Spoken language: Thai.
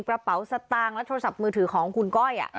กระเป๋าสตางค์และโทรศัพท์มือถือของคุณก้อย